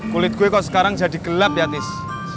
kulit gue kok sekarang jadi gelap ya tis